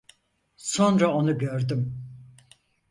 Sonra onu gördüm.